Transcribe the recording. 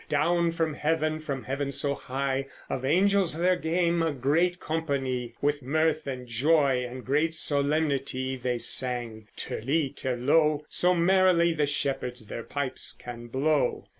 Down from heaven, from heaven so high, Of angels there came a great companye With mirth, and joy, and great solemnitye; They sang terli terlow, So merryly the shepherds their pipes can blow.